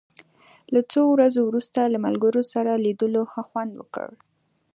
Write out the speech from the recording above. له څو ورځو وروسته له ملګرو سره لیدو ښه خوند وکړ.